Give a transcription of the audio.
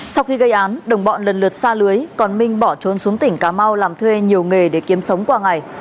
sau khi gây án đồng bọn lần lượt xa lưới còn minh bỏ trốn xuống tỉnh cà mau làm thuê nhiều nghề để kiếm sống qua ngày